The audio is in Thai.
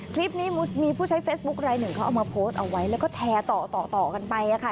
คลิปนี้มีผู้ใช้เฟซบุ๊คไลหนึ่งเขาเอามาโพสต์เอาไว้แล้วก็แชร์ต่อต่อกันไปค่ะ